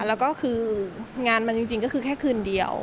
แล้วก็คืองานมันจริงก็คือแค่คืนเดียว